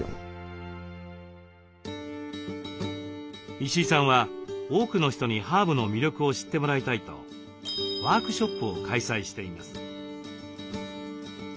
石井さんは多くの人にハーブの魅力を知ってもらいたいとワークショップを開催しています。